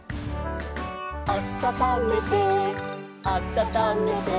「あたためてあたためて」